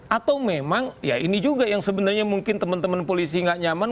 atau memang ya ini juga yang sebenarnya mungkin teman teman polisi nggak nyaman